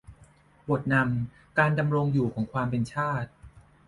บทนำ การดำรงอยู่ของความเป็นชาติ